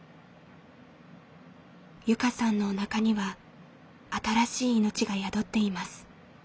友佳さんのおなかには新しい命が宿っています。